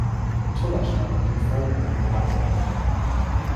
Tulla starb an den Folgen einer Malariaerkrankung.